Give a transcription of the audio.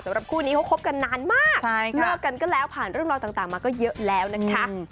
คู่นี้เขาคบกันนานมากเลิกกันก็แล้วผ่านเรื่องราวต่างมาก็เยอะแล้วนะคะ